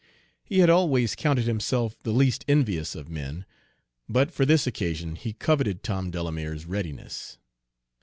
He had always counted himself the least envious of men, but for this occasion he coveted Tom Delamere's readiness.